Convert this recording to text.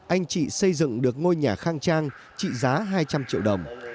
anh chị xây dựng được ngôi nhà khang trang trị giá hai trăm linh triệu đồng